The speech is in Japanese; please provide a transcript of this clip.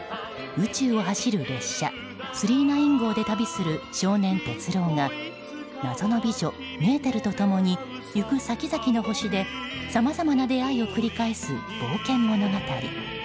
宇宙を走る列車「９９９号」で旅をする少年・鉄郎が謎の美女メーテルと共に行く先々の星でさまざまな出会いを繰り返す冒険物語。